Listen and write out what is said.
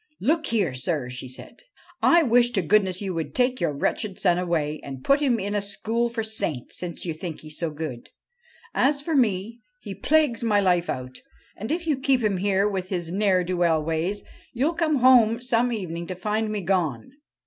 ' Look here, sir,' said she, ' I wish to goodness you would take your wretched son away and put him in a school for saints, since you think he is so good. As for me, he plagues my life out, and, if you keep him here with his ne'er do well ways, you '11 come home some evening to find me gone.'